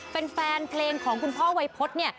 เป็นแฟนเพลงของคุณพ่อไวพร์ล์เนี่ย